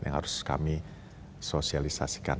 yang harus kami sosialisasikan